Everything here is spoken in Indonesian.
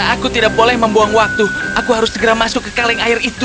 aku tidak boleh membuang waktu aku harus segera masuk ke kaleng air itu